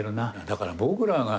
だから僕らが。